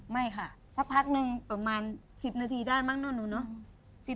ไม่ค่ะสักพักนึงประมาณ๑๐นาทีได้มั้งเนอะหนูเนอะ